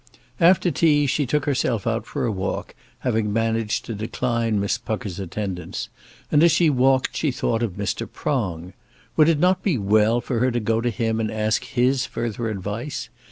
After tea she took herself out for a walk, having managed to decline Miss Pucker's attendance, and as she walked she thought of Mr. Prong. Would it not be well for her to go to him and ask his further advice?